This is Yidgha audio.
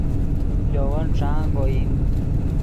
لے ون ݯانگ اوئیم